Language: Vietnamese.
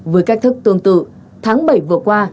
với cách thức tương tự tháng bảy vừa qua